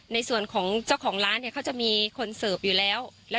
ในส่วนของเจ้าของร้านเขาจะมีคนสอบอยู่แล้ว